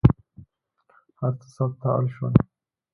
هر څه ثبت ته اړ شول.